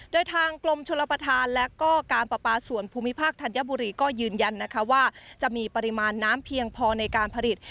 โดยทางกรมชลประธานและก็การประปาส่วนภูมิภาคธัญบุรีก็ยืนยันนะคะว่าจะมีปริมาณน้ำเพียงพอในการผลิต